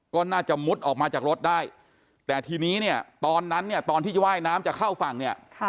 ก็น่าจะมุดออกมาจากรถได้แต่ทีนี้เนี่ยตอนนั้นเนี่ยตอนที่ว่ายน้ำจะเข้าฝั่งเนี่ย